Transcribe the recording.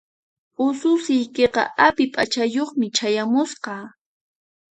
Ususiykiqa api p'achayuqmi chayamusqa.